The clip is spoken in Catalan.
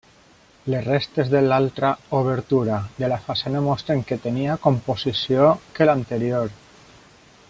Les restes de l'altra obertura de la façana mostren que tenia composició que l'anterior.